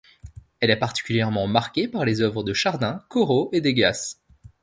Elle est particulièrement marquée par les œuvres de Chardin, Corot et Degas.